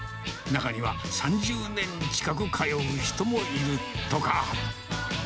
中には３０年近く通う人もいるとか。